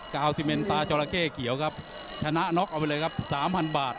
กาวซิเมนตาจอราเข้เขียวครับชนะน็อกเอาไปเลยครับสามพันบาท